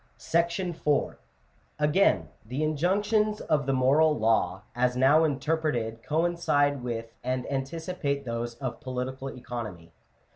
M Again, the injunctions of the moral law, as now interpreted, coincide with and anticipate those of political economy.